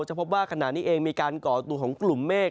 จะพบว่ากันนั้นเองมีการเกาะตู้ของกลุ่มเมฆ